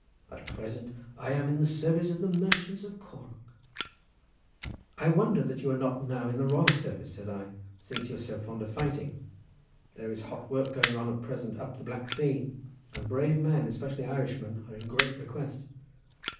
At present I am in the service of the merchants of Cork." "I wonder that you are not now in the royal service," said I, "since you are so fond of fighting. There is hot work going on at present up the Black Sea, and brave men, especially Irishmen, are in great request."